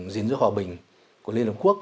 dính dưới hòa bình của liên hợp quốc